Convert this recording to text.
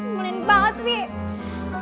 mening banget sih